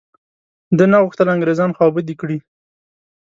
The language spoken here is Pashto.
ده نه غوښتل انګرېزان خوابدي کړي.